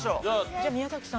じゃあ宮崎さん。